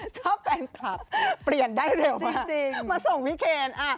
ชอบแฟนคลับเปลี่ยนได้เร็วจริงมาส่งพี่เคน